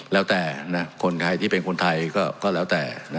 แล้วแต่คนใครที่เป็นคนไทยก็แล้วแต่